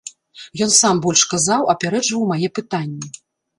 Ён сам больш казаў, апярэджваў мае пытанні.